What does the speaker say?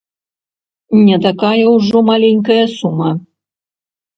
Не такая ўжо маленькая сума!